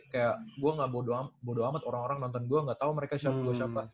kayak gua gak bodo amat orang orang nonton gua gak tau mereka siapa siapa